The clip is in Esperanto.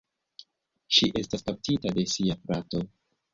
Ŝi estas kaptita de sia frato.